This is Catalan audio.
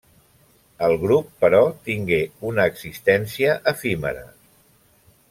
El grup, però, tingué una existència efímera.